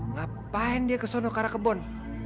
ngapain dia kesana ke arah kebon